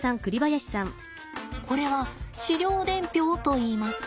これは飼料伝票といいます。